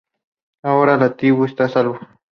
Ahora la tribu está a salvo.